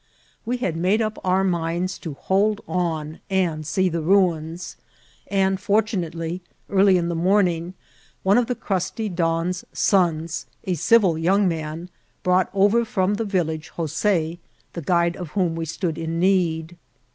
We had made up our minds to hold on and see the ruins ; and, fortunate ly, early in the morning, one of the crusty don's sons, a civil young man, brought over from the village Jose, the guide of whom we stood in need.